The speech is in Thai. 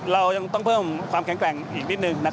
เรายังต้องเพิ่มความแข็งแกร่งอีกนิดนึง